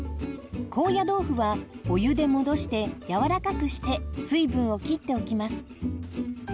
高野豆腐はお湯で戻してやわらかくして水分をきっておきます。